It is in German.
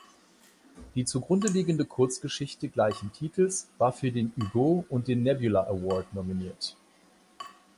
Die zugrundeliegende Kurzgeschichte gleichen Titels war für den Hugo und den Nebula Award nominiert.